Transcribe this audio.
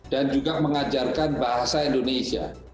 dan juga mengajarkan bahasa indonesia